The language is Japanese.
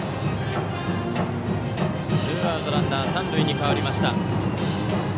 ツーアウトランナー三塁に変わりました。